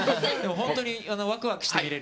本当にワクワクして見れる。